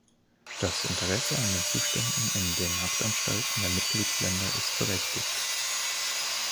Das Interesse an den Zuständen in den Haftanstalten der Mitgliedsländer ist berechtigt.